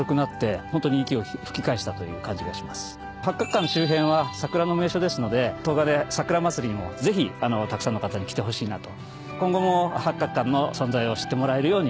八鶴館周辺は桜の名所ですので東金桜まつりにもぜひたくさんの方に来てほしいなと。